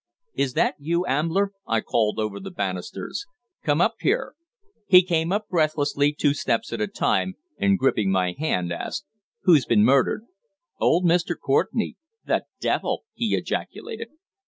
"Is that you, Ambler?" I called over the banisters. "Come up here." He came up breathlessly, two steps at a time, and gripping my hand, asked: "Who's been murdered?" "Old Mr. Courtenay." "The devil!" he ejaculated.